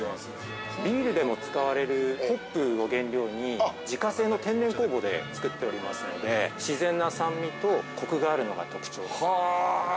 ◆ビールでも使われるホップを原料に自家製の天然酵母で作っておりますので、自然な酸味とコクがあるのが特徴です。